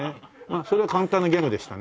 それは簡単なギャグでしたね。